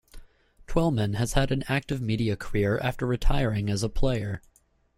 Twellman has had an active media career after retiring as a player.